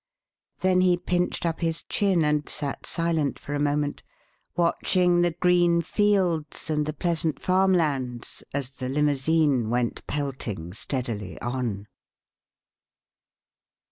Then he pinched up his chin and sat silent for a moment, watching the green fields and the pleasant farmlands as the limousine went pelting steadily on.